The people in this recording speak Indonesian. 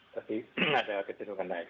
tapi ada kecenderungan naik